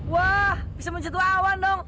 wah bisa mencetua awan dong